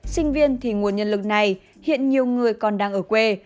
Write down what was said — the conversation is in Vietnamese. sinh viên thì nguồn nhân lực này hiện nhiều người còn đang ở quê